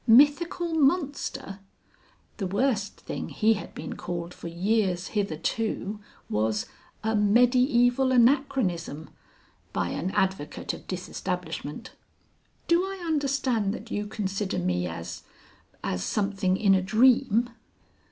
"Mythical monster!" The worst thing he had been called for years hitherto was a 'mediaeval anachronism' (by an advocate of Disestablishment). "Do I understand that you consider me as as something in a dream?"